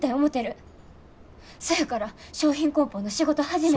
そやから商品こん包の仕事始めて。